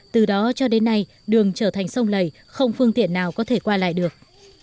từ đó cho đến nay đường trở thành sông lầy không phương tiện nào có thể qua lại được